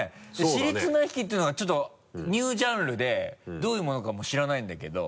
尻綱引きっていうのがちょっとニュージャンルでどういうものかも知らないんだけど。